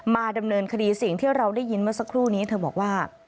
มาดำเนินคดีสิ่งที่เราได้ยินเมื่อสักครู่นี้เธอบอกว่า